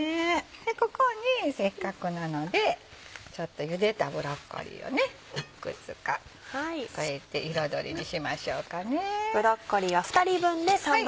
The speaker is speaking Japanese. ここにせっかくなのでちょっと茹でたブロッコリーをいくつか添えて彩りにしましょうかね。